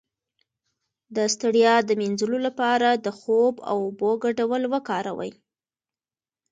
د ستړیا د مینځلو لپاره د خوب او اوبو ګډول وکاروئ